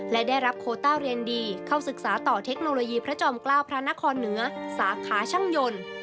และได้รับโคต้าเรียนดีเข้าศึกษาต่อเทคโนโลยีพระจอมเกล้าพระนครเหนือสาขาช่างยนต์